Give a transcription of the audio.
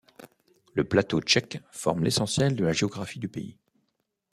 Le Plateau tchèque forme l'essentiel de la géographie du pays.